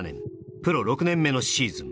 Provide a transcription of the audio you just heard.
プロ６年目のシーズン